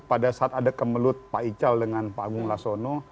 pada saat ada kemelut pak ical dengan pak agung lasono